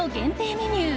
メニュー